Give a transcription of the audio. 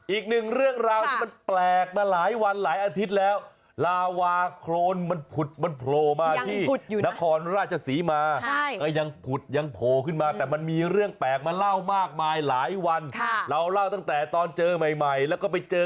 อีกหนึ่งเรื่องราวที่มันแปลกมาหลายวันหลายอาทิตย์แล้ว